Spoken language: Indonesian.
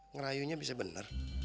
ngerayunya bisa bener